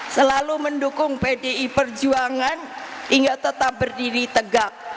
selalu mendukung pdi perjuangan hingga tetap berdiri tegak